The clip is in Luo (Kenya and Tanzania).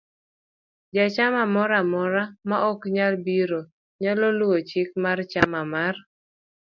Jachamamoro amora ma ok nyal biro, nyalo luwo chik mar chama mar